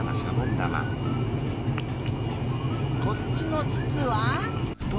こっちのつつは？